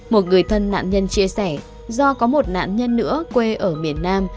một người thân nạn nhân chia sẻ do có một nạn nhân nữa quê ở miền nam